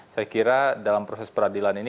saya kira dalam proses peradilan ini